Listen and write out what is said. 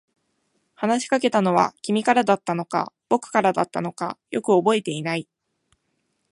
話しかけたのは君からだったのか、僕からだったのか、よく覚えていない。